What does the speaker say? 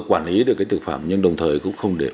quản lý được cái thực phẩm nhưng đồng thời cũng không để